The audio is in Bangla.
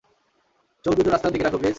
চোখ দুটো রাস্তার দিকে রাখো, প্লিজ।